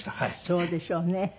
そうでしょうね。